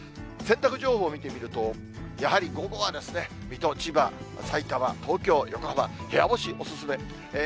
洗濯情報見てみると、やはり午後はですね、水戸、千葉、さいたま、東京、横浜、部屋干しお勧め。